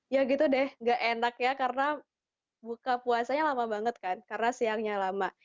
ya gitu deh gak enak ya karena buka puasanya lama banget kan karena siangnya lama